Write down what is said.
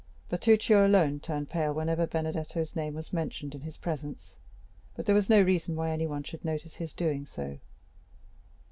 Bertuccio alone turned pale whenever Benedetto's name was mentioned in his presence, but there was no reason why anyone should notice his doing so.